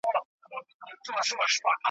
د کوترو له کهاله، په یوه شان یو `